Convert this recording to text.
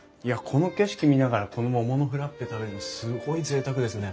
この景色見ながらこの桃のフラッペ食べるのすごいぜいたくですね。